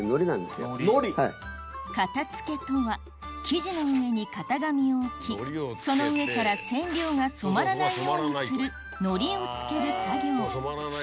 型付けとは生地の上に型紙を置きその上から染料が染まらないようにする糊をつける作業